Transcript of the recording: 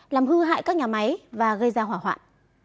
làm hư hại các nhà máy và gây ra hỏa hoạn